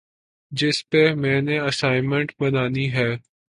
جس پہ میں نے اسائنمنٹ بنانی ہے